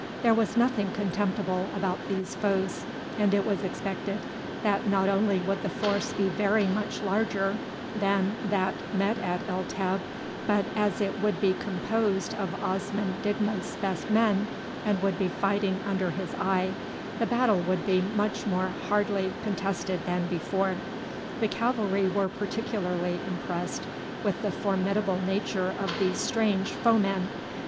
There was nothing contemptible about these foes, and it was expected that not only would the force be very much larger than that met at El Teb, but as it would be composed of Osman Digma's best men, and would be fighting under his eye, the battle would be much more hardly contested than before. The cavalry were particularly impressed with the formidable nature of these strange foemen.